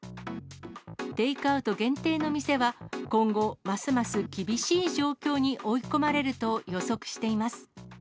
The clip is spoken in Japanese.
テイクアウト限定の店は、今後、ますます厳しい状況に追い込まれると予測しています。